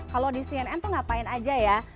kalau di cnn tuh ngapain aja ya